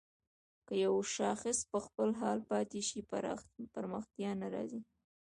که يو شاخص په خپل حال پاتې شي پرمختيا نه راځي.